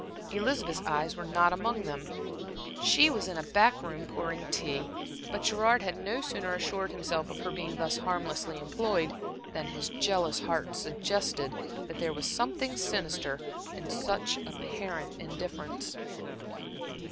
Elizabeth's eyes were not among them. She was in a back room pouring tea. But Gerard had no sooner assured himself of her being thus harmlessly employed, than his jealous heart suggested that there was something sinister in such apparent indifference.